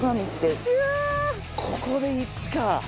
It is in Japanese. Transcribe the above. ここで１か。